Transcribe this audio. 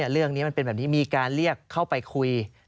เรื่องนี้มันเป็นแบบนี้มีการเรียกเข้าไปคุย